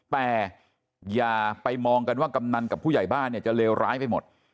แต่อย่าไปมองกันว่ากำนันกับผู้ใหญ่บ้านเนี่ยจะเลวร้ายไปหมด